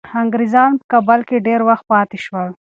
انګریزان په کابل کي ډیر وخت پاتې شول.